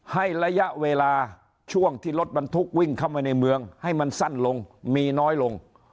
ให้ระยะเวลาช่วงที่รถบรรทุกวิ่งเข้ามาในเมืองให้มันสั้นลงมีน้อยลง